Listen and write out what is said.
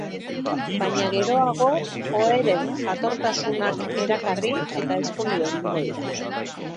Baina geroago Joeren jatortasunak erakarri eta ezkondu egingo dira.